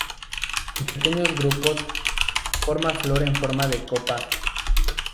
En pequeños grupos, forma flor en forma de copa.